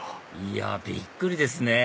いやびっくりですね